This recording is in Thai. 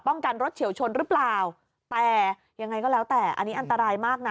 กันรถเฉียวชนหรือเปล่าแต่ยังไงก็แล้วแต่อันนี้อันตรายมากนะ